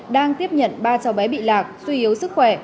đang tiếp nhận ba cháu bé bị lạc suy yếu sức khỏe